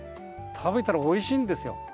食べたらおいしいんですよ。